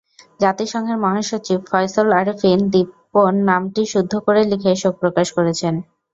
জাতিসংঘের মহাসচিব ফয়সল আরেফিন দীপন নামটি শুদ্ধ করে লিখে শোক প্রকাশ করেছেন।